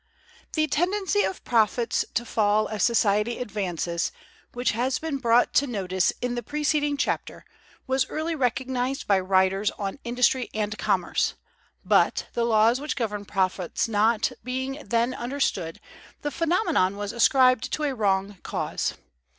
The tendency of profits to fall as society advances, which has been brought to notice in the preceding chapter, was early recognized by writers on industry and commerce; but, the laws which govern profits not being then understood, the phenomenon was ascribed to a wrong cause.